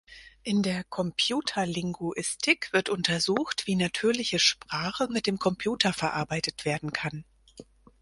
In der "Computerlinguistik" wird untersucht, wie natürliche Sprache mit dem Computer verarbeitet werden kann.